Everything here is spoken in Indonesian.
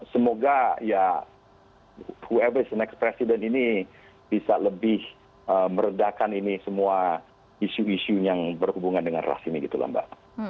semoga ya whoever is the next president ini bisa lebih meredakan ini semua isu isu yang berhubungan dengan ras ini gitu lah mbak